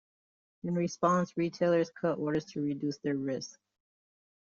In response, retailers cut orders to reduce their risk.